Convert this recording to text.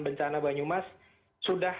bencana banyumas sudah